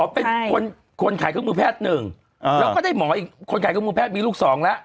เป็นคนคนขายเครื่องมือแพทย์หนึ่งแล้วก็ได้หมออีกคนขายเครื่องมือแพทย์มีลูกสองแล้ว